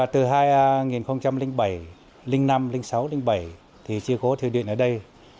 từ hai nghìn bảy hai nghìn năm hai nghìn sáu hai nghìn bảy thì chưa có thủy điện ở đây